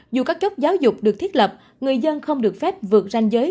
dù các cấp giáo dục được thiết lập người dân không được phép vượt ranh giới